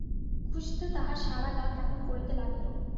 খুশিতে তাহার সারা গা কেমন করিতে লাগিল!